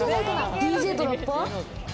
ＤＪとラッパー？